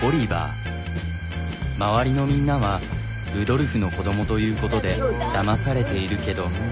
周りのみんなはルドルフの子どもということでだまされているけど。